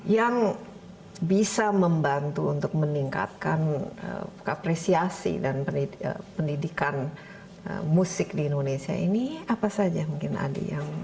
yang bisa membantu untuk meningkatkan apresiasi dan pendidikan musik di indonesia ini apa saja mungkin adik